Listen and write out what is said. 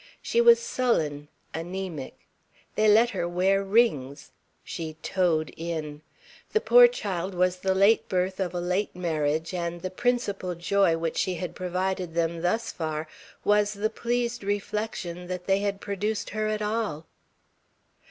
She was sullen, anaemic. They let her wear rings. She "toed in." The poor child was the late birth of a late marriage and the principal joy which she had provided them thus far was the pleased reflection that they had produced her at all.